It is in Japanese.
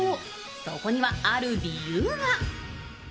そこにはある理由が。